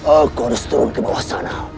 aku harus turun ke bawah sana